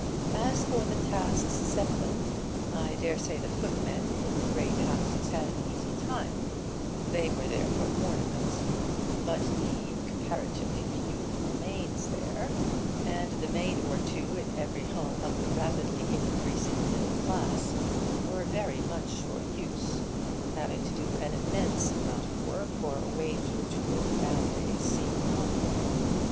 As for the tasks set them, I daresay the footmen in the great houses had an easy time: they were there for ornament; but the (comparatively few) maids there, and the maid or two in every home of the rapidly increasing middle class, were very much for use, having to do an immense amount of work for a wage which would nowadays seem nominal.